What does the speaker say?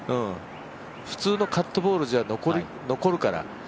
普通のカットボールじゃ残るから。